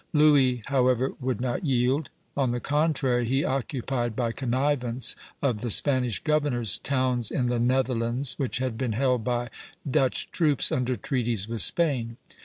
Louis, however, would not yield; on the contrary, he occupied, by connivance of the Spanish governors, towns in the Netherlands which had been held by Dutch troops under treaties with Spain.